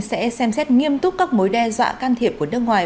sẽ xem xét nghiêm túc các mối đe dọa can thiệp của nước ngoài